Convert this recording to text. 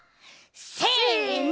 せの！